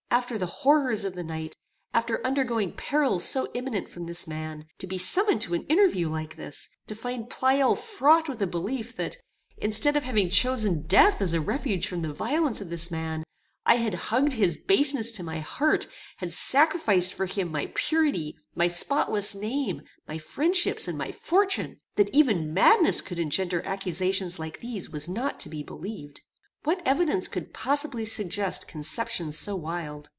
After the horrors of the night; after undergoing perils so imminent from this man, to be summoned to an interview like this; to find Pleyel fraught with a belief that, instead of having chosen death as a refuge from the violence of this man, I had hugged his baseness to my heart, had sacrificed for him my purity, my spotless name, my friendships, and my fortune! that even madness could engender accusations like these was not to be believed. What evidence could possibly suggest conceptions so wild?